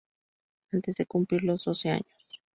Antes de cumplir los doce años.